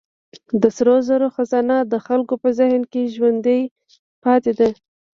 د سرو زرو خزانه د خلکو په ذهن کې ژوندۍ پاتې ده.